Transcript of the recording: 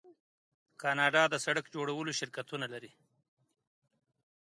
کاناډا د سړک جوړولو شرکتونه لري.